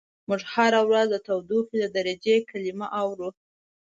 موږ هره ورځ د تودوخې د درجې کلمه اورو.